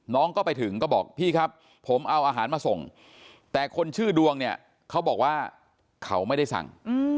น้องก็ไปถึงก็บอกพี่ครับผมเอาอาหารมาส่งแต่คนชื่อดวงเนี่ยเขาบอกว่าเขาไม่ได้สั่ง